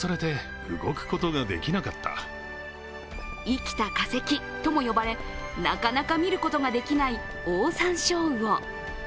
生きた化石とも呼ばれなかなか見ることができないオオサンショウウオ。